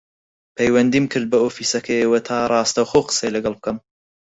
پەیوەندیم کرد بە ئۆفیسەکەیەوە تا ڕاستەوخۆ قسەی لەگەڵ بکەم